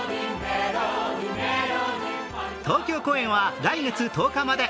東京公演は来月１０日まで。